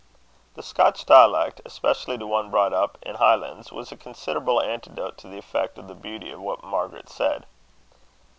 The Scotch dialect, especially to one brought up in the Highlands, was a considerable antidote to the effect of the beauty of what Margaret said.